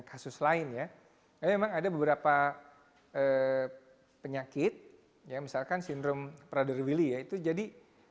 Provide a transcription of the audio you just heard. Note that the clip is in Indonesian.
kasus lain ya tapi memang ada beberapa penyakit ya misalkan sindrom prader willy ya itu jadi